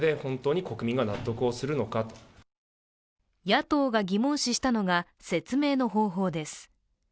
野党が疑問視したのが説明の方法です。